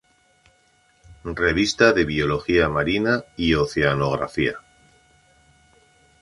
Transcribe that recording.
Revista de Biología Marina y Oceanografía.